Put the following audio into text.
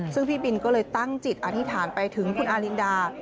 ซึ่งพี่บินก็เลยตั้งจิตอธิษฐานไปถึงคุณอารินดา